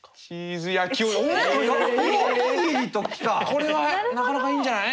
これはなかなかいいんじゃない？